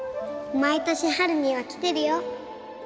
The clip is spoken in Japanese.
毎年春には来てるよ。